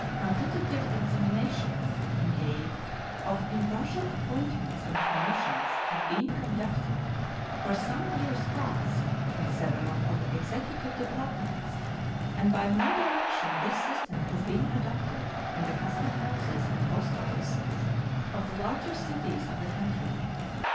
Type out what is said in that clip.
Competitive examinations in aid of impartial appointments and promotions have been conducted for some years past in several of the Executive Departments, and by my direction this system has been adopted in the custom houses and post offices of the larger cities of the country.